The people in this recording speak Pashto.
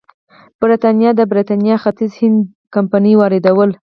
برېټانیا ته د برېټانیا ختیځ هند کمپنۍ واردول.